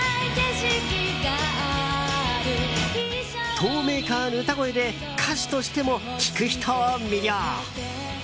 透明感ある歌声で歌手としても聴く人を魅了。